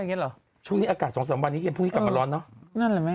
โคตรยุ่งนี้อากาศ๒๓วันนี้เย็นทุกที่กลับมาร้อยเนอะ